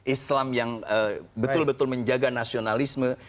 islam yang betul betul menjaga nasionalisme